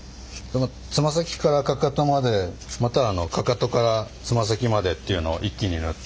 つま先からかかとまでまたはかかとからつま先までっていうのを一気に塗って。